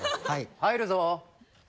・入るぞ！